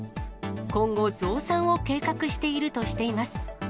今後、増産を計画しているとしています。